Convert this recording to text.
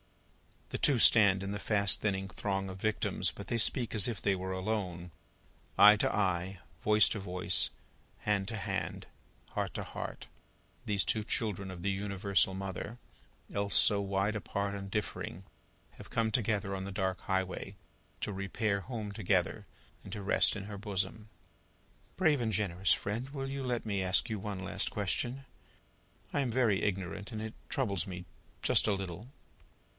The two stand in the fast thinning throng of victims, but they speak as if they were alone. Eye to eye, voice to voice, hand to hand, heart to heart, these two children of the Universal Mother, else so wide apart and differing, have come together on the dark highway, to repair home together, and to rest in her bosom. "Brave and generous friend, will you let me ask you one last question? I am very ignorant, and it troubles me just a little."